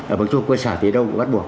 ở bằng chung quân xã thì đâu cũng bắt buộc